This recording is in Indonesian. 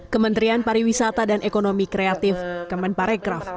kementerian pariwisata dan ekonomi kreatif kemen parikraf